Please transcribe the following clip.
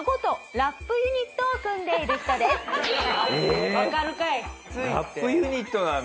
ラップユニットなんだ。